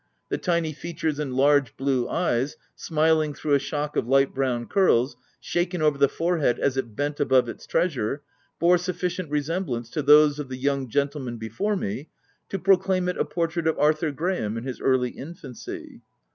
The tiny features and large, blue eyes, smiling through a shock of light brown curls, shaken over the forehead as it bent above its treasure, bore sufficient resemblance to those of the young gentleman before me, to proclaim it a portrait of Arthur Graham in his early in fancy.